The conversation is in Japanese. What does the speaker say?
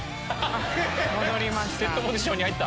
戻りました。